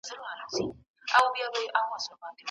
که يو مسلمان زکات نه ورکاوه، حکومت دې په زور ځني واخلي